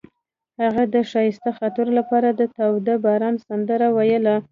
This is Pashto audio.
هغې د ښایسته خاطرو لپاره د تاوده باران سندره ویله.